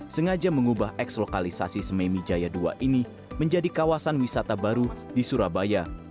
sengaja mengubah eks lokalisasi sememijaya ii ini menjadi kawasan wisata baru di surabaya